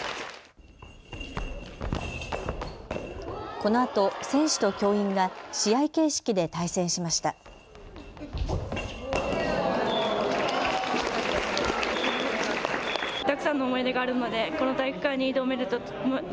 このあと選手と教員が試合形式で対戦しました。